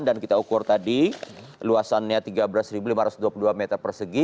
dan kita ukur tadi luasannya tiga belas lima ratus dua puluh dua meter persegi